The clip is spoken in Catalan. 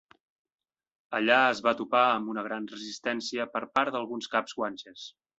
Allà es va topar amb una gran resistència per part d'alguns caps Guanches.